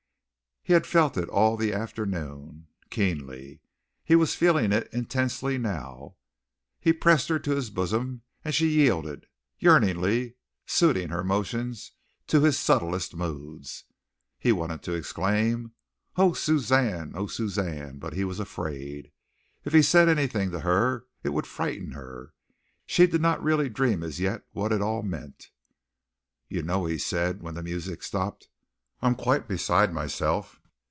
He had felt it all the afternoon. Keenly. He was feeling it intensely now. He pressed her to his bosom, and she yielded, yearningly, suiting her motions to his subtlest moods. He wanted to exclaim: "Oh, Suzanne! Oh, Suzanne!" but he was afraid. If he said anything to her it would frighten her. She did not really dream as yet what it all meant. "You know," he said, when the music stopped, "I'm quite beside myself.